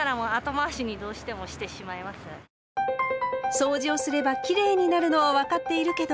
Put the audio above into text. そうじをすればきれいになるのは分かっているけど